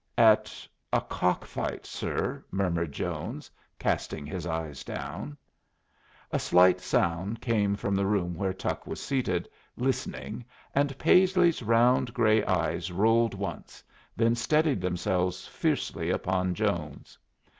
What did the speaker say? "At a cock fight, sir," murmured Jones, casting his eyes down. A slight sound came from the room where Tuck was seated, listening, and Paisley's round gray eyes rolled once, then steadied themselves fiercely upon Jones.